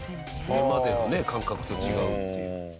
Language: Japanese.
今までのね感覚と違うっていう。